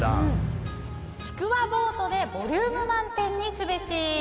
ちくわボートでボリューム満点にすべし。